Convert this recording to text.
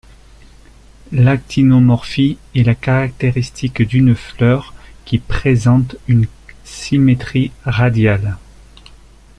L’actinomorphie est la caractéristique d'une fleur qui présente une symétrie radiale.